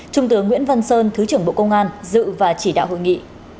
trung tướng nguyễn văn sơn thứ trưởng bộ công an dự và chỉ đạo hội nghị